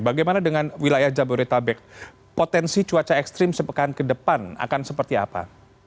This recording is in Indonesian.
bagaimana dengan wilayah jabodetabek potensi cuaca ekstrim sepekan ke depan akan seperti apa